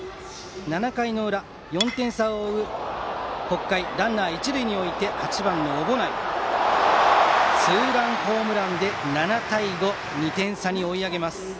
７回の裏、４点差を追う北海ランナー、一塁に置いて８番の小保内のツーランホームランで７対５と２点差に追い上げます。